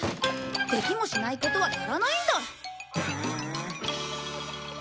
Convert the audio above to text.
できもしないことはやらないんだ！